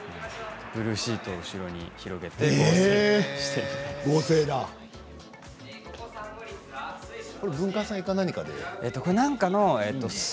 ブルーシートを後ろに掛けて、合成です。